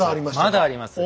まだあります。